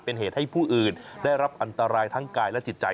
เป็นเหตุให้ผู้อื่นได้รับอันตรายทั้งกายและจิตใจ